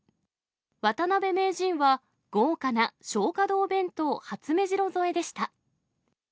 渡辺名人は豪華な松花堂弁当はつめじろ添えでした。